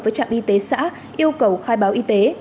với trạm y tế xã yêu cầu khai báo y tế